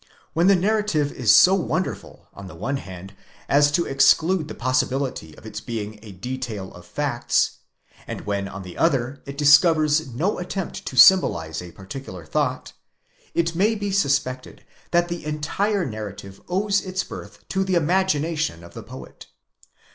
When the narrative is so wonderful on the one hand as to exclude the possibility of its being a detail of facts, and when on the other it discovers no attempt to symbolize a particular thought, it may be suspected that the entire narrative owes its birth to the imagination of the poet.